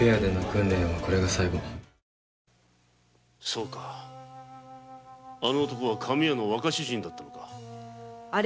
そうかあの男は亀屋の若主人だったのか。